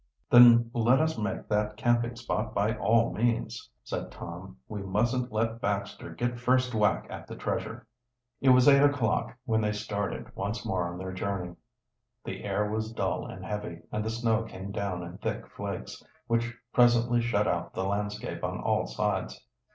"Then let us make that camping spot by all means," said Tom. "We mustn't let Baxter get first whack at the treasure." It was eight o'clock when they started once more on their journey. The air was dull and heavy, and the snow came down in thick flakes, which presently shut out the landscape on all sides.